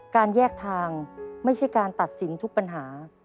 การแยกทางไม่ใช่การตัดสินทุกปัญหา